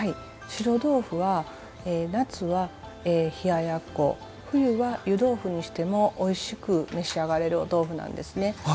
白とうふは夏は冷ややっこ冬は湯豆腐にしてもおいしく召し上がれるお豆腐なんですね。